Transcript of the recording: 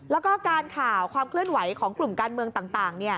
แล้วก็การข่าวความเคลื่อนไหวของกลุ่มการเมืองต่าง